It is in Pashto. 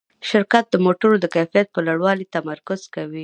شرکت د موټرو د کیفیت په لوړولو تمرکز کوي.